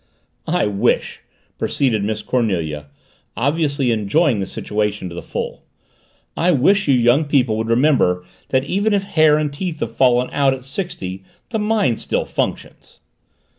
"I wish," proceeded Miss Cornelia, obviously enjoying the situation to the full, "I wish you young people would remember that even if hair and teeth have fallen out at sixty the mind still functions."